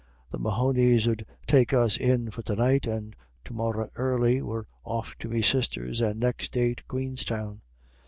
"The Mahonys 'ud take us in for to night, and to morra early we're off to me sister's and next day to Queenstown.